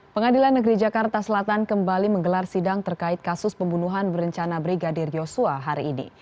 pengadilan negeri jakarta selatan kembali menggelar sidang terkait kasus pembunuhan berencana brigadir yosua hari ini